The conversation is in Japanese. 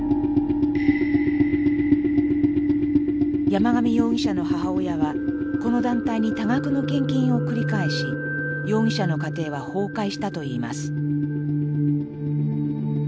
山上容疑者の母親はこの団体に多額の献金を繰り返し容疑者の家庭は崩壊したといいます。